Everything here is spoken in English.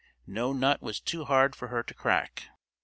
No nut was too hard for her to crack.